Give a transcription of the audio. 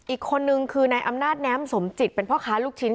อีกคนนึงคือนายอำนาจแน้มสมจิตเป็นพ่อค้าลูกชิ้น